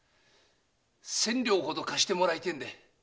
千両ほど貸してもらいたいんで。